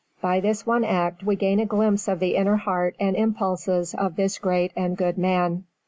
By this one act we gain a glimpse of the inner heart and impulses of this great and good man.